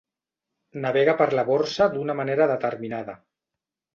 Navega per la Borsa d'una manera determinada.